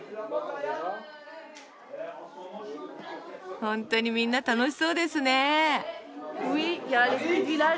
本当にみんな楽しそうですね。